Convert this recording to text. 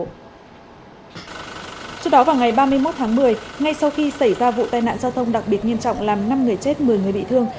trước đó vào ngày ba mươi một tháng một mươi ngay sau khi xảy ra vụ tai nạn giao thông đặc biệt nghiêm trọng làm năm người chết một mươi người bị thương